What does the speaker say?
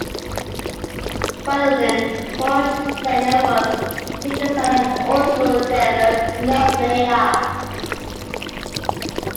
Ferdinand Porsche Senior was chief designer at Austro-Daimler in Austria.